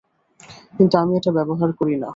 কিন্তু আমি এটা ব্যবহার করি না।